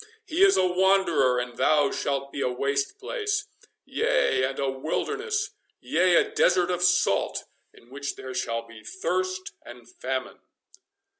He is a wanderer, and thou shalt be a waste place—yea, and a wilderness—yea, a desert of salt, in which there shall be thirst and famine."